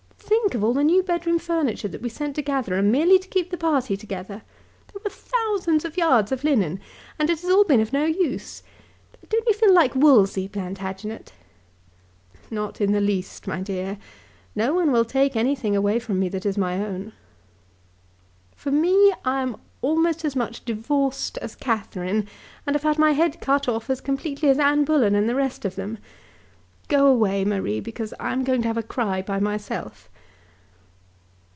Think of all the new bedroom furniture that we sent to Gatherum merely to keep the party together. There were thousands of yards of linen, and it has all been of no use. Don't you feel like Wolsey, Plantagenet?" "Not in the least, my dear. No one will take anything away from me that is my own." "For me, I am almost as much divorced as Catherine, and have had my head cut off as completely as Anne Bullen and the rest of them. Go away, Marie, because I am going to have a cry by myself."